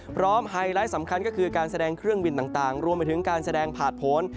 ไฮไลท์สำคัญก็คือการแสดงเครื่องบินต่างรวมไปถึงการแสดงผ่านผล